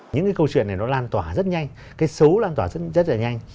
những cái câu chuyện này nó lan tỏa rất nhanh cái xấu lan tỏa rất là nhanh